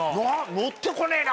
「乗ってこねえな」。